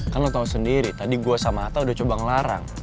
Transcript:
kan lo tau sendiri tadi gue sama atta udah coba ngelarang